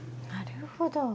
なるほど。